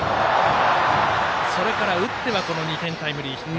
それから打っては２点タイムリーヒット。